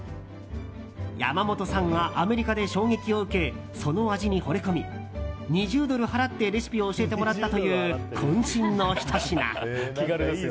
山本さんがアメリカで衝撃を受けその味にほれ込み２０ドル払ってレシピを教えてもらったという渾身のひと品。